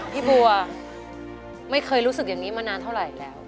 พี่บัวไม่เคยรู้สึกอย่างนี้มานานเท่าไหร่แล้ว